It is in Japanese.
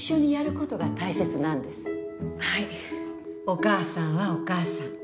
お母さんはお母さん。